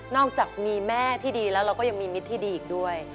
อกจากมีแม่ที่ดีแล้วเราก็ยังมีมิตรที่ดีอีกด้วย